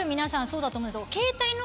そうだと思うんですよ。